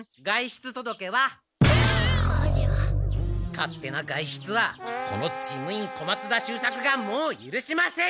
勝手な外出はこの事務員小松田秀作がもうゆるしません！